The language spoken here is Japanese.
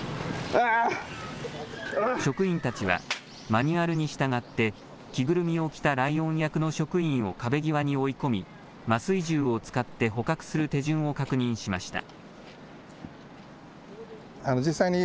職員たちはマニュアルに従って着ぐるみを着たライオン役の職員を壁際に追い込み麻酔銃を使って捕獲する手順を確認しました。